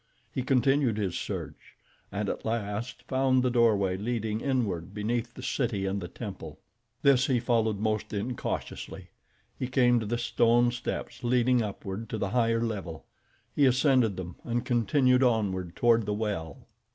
He continued his search and at last found the doorway leading inward beneath the city and the temple. This he followed, most incautiously. He came to the stone steps leading upward to the higher level. He ascended them and continued onward toward the well.